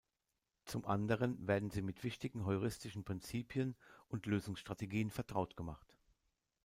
Zum anderen werden sie mit wichtigen heuristischen Prinzipien und Lösungsstrategien vertraut gemacht.